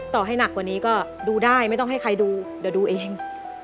ให้หนักกว่านี้ก็ดูได้ไม่ต้องให้ใครดูเดี๋ยวดูเอง